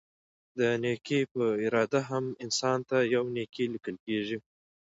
د نيکي په اراده هم؛ انسان ته يوه نيکي ليکل کيږي